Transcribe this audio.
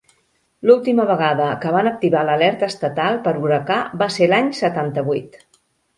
L'última vegada que van activar l'alerta estatal per huracà va ser l'any setanta-vuit.